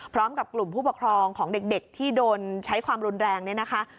พร้อมกับกลุ่มผู้ปกครองของเด็กที่โดนใช้ความรุนแรงเนี่ยนะคะ